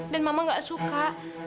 dan mama gak suka